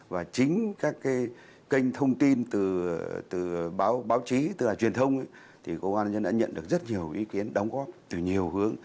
và chính các kênh thông tin từ báo chí từ truyền thông thì công an nhân dân đã nhận được rất nhiều ý kiến đóng góp từ nhiều hướng